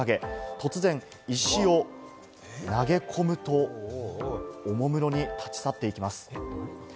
突然石を投げ込むと、おもむろに立ち去っていきます。